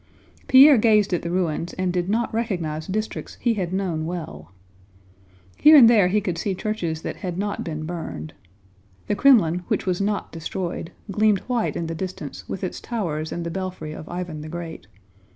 Pierre gazed at the ruins and did not recognize districts he had known well. Here and there he could see churches that had not been burned. The Krémlin, which was not destroyed, gleamed white in the distance with its towers and the belfry of Iván the Great.